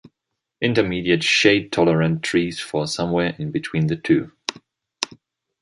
Intermediate shade-tolerant trees fall somewhere in between the two.